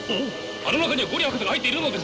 あの中には五里博士が入っているのですぞ！